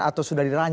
atau sudah dirampas